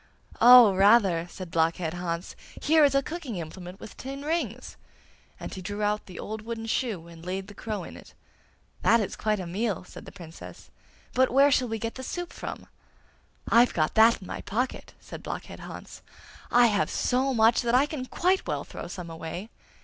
'Oh, rather!' said Blockhead Hans. 'Here is a cooking implement with tin rings,' and he drew out the old wooden shoe, and laid the crow in it. 'That is quite a meal!' said the Princess; 'but where shall we get the soup from?' 'I've got that in my pocket!' said Blockhead Hans. 'I have so much that I can quite well throw some away!